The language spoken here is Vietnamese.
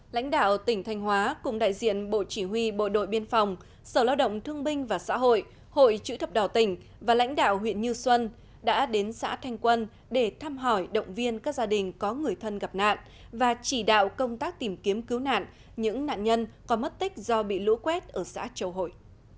lãnh đạo tỉnh thanh hóa cùng đại diện bộ chỉ huy bộ đội biên phòng sở lao động thương binh và xã hội hội chữ thập đỏ tỉnh và lãnh đạo huyện như xuân đã đến xã thanh quân để thăm hỏi động viên các gia đình có người thân gặp nạn và chỉ đạo công tác tìm kiếm cứu nạn những nạn nhân có mất tích do bị lũ quét ở xã châu hội